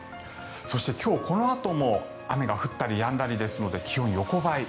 そして今日このあとも雨が降ったりやんだりですので気温、横ばい。